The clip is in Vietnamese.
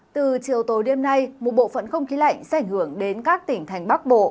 từ chiều tối đêm nay một bộ phận không khí lạnh sẽ ảnh hưởng đến các tỉnh thành bắc bộ